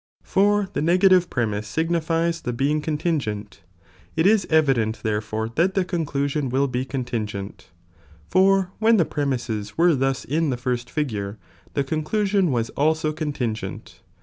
for the negative premise signifiea the being contingent, it i» j erideiit therefore tlint the conclusiun will be contiiigeDt, for wbea the premises were thus in the first figure, the conclusion was also contitigeiit.